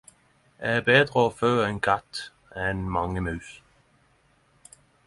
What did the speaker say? Det er betre å fø ein katt enn mange mus.